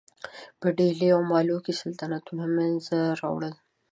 په ډهلي او مالوه کې سلطنتونه منځته راوړل.